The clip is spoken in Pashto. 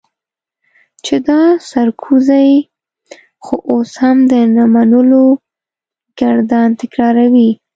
چې دا سرکوزی خو اوس هم د نه منلو ګردان تکراروي.